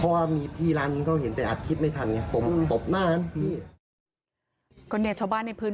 เพราะว่ามีพี่ร้านมันเขาเห็นแต่อัดคิดไม่ทันไงปบหน้าอัน